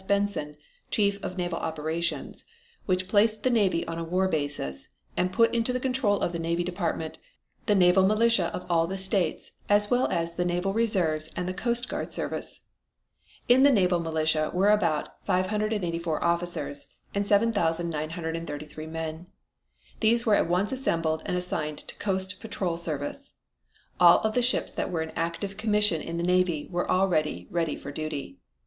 Benson, Chief of Naval Operations, which placed the Navy on a war basis, and put into the control of the Navy Department the naval militia of all the states as well as the Naval Reserves and the Coast Guard Service. In the Naval Militia were about 584 officers, and 7,933 men. These were at once assembled and assigned to coast patrol service. All of the ships that were in active commission in the Navy were already ready for duty.